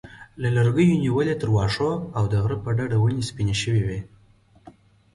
له لرګیو نیولې تر واښو او د غره په ډډه ونې سپینې شوې وې.